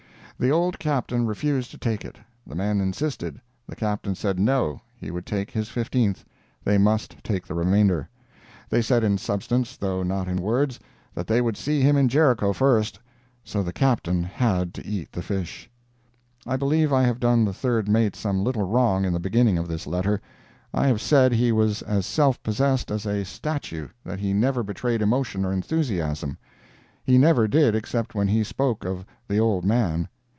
The old Captain refused to take it; the men insisted; the Captain said no—he would take his fifteenth—they must take the remainder. They said in substance, though not in words, that they would see him in Jericho first! So the Captain had to eat the fish. I believe I have done the third mate some little wrong in the beginning of this letter. I have said he was as self possessed as a statue that he never betrayed emotion or enthusiasm. He never did except when he spoke of "the old man."